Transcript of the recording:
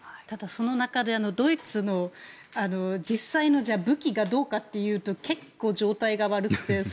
ただ、その中でドイツの実際の武器がどうかっていうと結構、状態が悪くて。